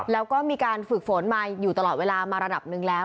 แล้วก็มีการฝึกฝนมาอยู่ตลอดเวลามาระดับหนึ่งแล้ว